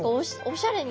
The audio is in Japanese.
おしゃれ！